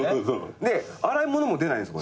で洗い物も出ないんすこれ。